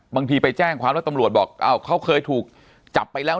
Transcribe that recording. บางทีไปแจ้งความแล้วตำรวจบอกเขาเคยถูกจับไปแล้ว